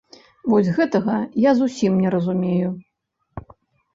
Вось гэтага я зусім не разумею!